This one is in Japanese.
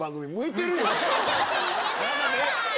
やった！